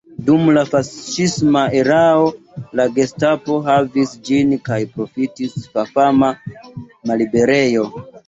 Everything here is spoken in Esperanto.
Dum la faŝisma erao la Gestapo havis ĝin kaj profitis fifama malliberejo.